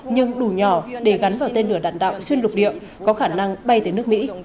nhưng đủ nhỏ để gắn vào tên lửa đạn đạo xuyên lục địa có khả năng bay tới nước mỹ